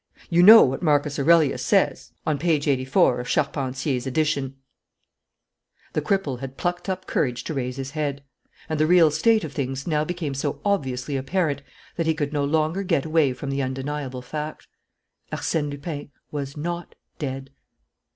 You know what Marcus Aurelius says, on page 84, of Charpentier's edition " The cripple had plucked up courage to raise his head; and the real state of things now became so obviously apparent that he could no longer get away from the undeniable fact: Arsène Lupin was not dead!